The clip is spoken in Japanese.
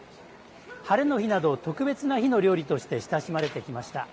ハレの日など特別な日の料理として親しまれてきました。